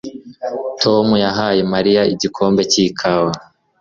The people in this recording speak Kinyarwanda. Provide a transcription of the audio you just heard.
Tom yahaye Mariya igikombe cyikawa